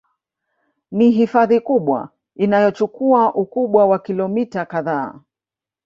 Ni hifadhi kubwa Inayochukua Ukubwa wa kilomita kadhaa